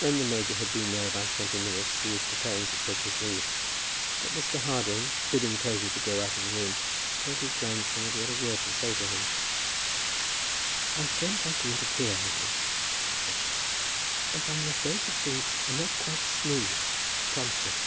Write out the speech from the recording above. When the major had been there about twenty minutes he was preparing to take his leave, but Mr. Harding, bidding Posy to go out of the room, told his grandson that he had a word to say to him. "I don't like to interfere, Henry," he said, "but I am afraid that things are not quite smooth at Plumstead."